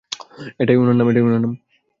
এটাই উনার নাম।